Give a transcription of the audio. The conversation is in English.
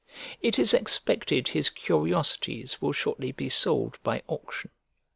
It is expected his curiosities will shortly be sold by auction.